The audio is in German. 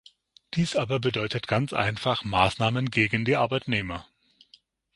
Dies aber bedeutet ganz einfach Maßnahmen gegen die Arbeitnehmer.